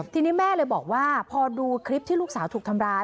ทีนี้แม่เลยบอกว่าพอดูคลิปที่ลูกสาวถูกทำร้าย